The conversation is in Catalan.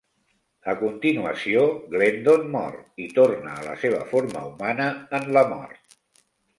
A continuació, Glendon mor i torna a la seva forma humana en la mort.